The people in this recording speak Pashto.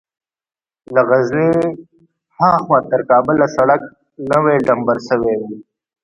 له غزني ها خوا تر کابله سړک نوى ډمبر سوى و.